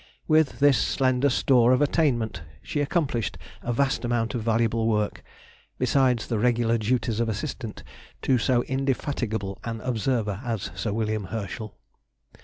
With this slender store of attainment she accomplished a vast amount of valuable work, besides the regular duties of assistant to so indefatigable an observer as Sir William Herschel.